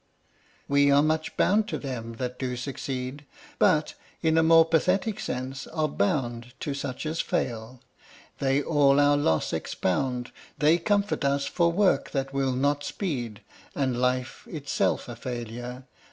We are much bound to them that do succeed; But, in a more pathetic sense, are bound To such as fail. They all our loss expound; They comfort us for work that will not speed, And life itself a failure.